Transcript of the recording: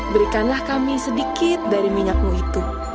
berikanlah kami sedikit dari minyakmu itu